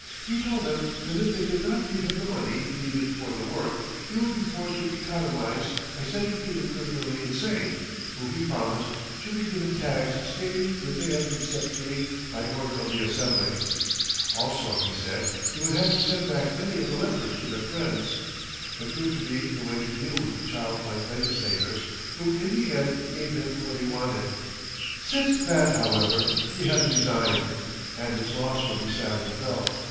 He told them that if they did not give him the money he needed for the work, he would be forced to economize by setting free the criminally insane, who, he promised, should be given tags stating that they had been set free by order of the Assembly. Also, he said, he would have to send back many of the lepers to their friends. It proved to be the way to deal with the child like legislators, who in the end gave him what he wanted. Since that, however, he has resigned, and his loss will be sadly felt.